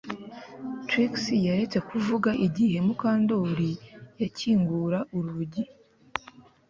Trix yaretse kuvuga igihe Mukandoli yakingura urugi